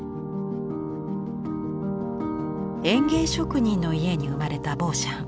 園芸職人の家に生まれたボーシャン。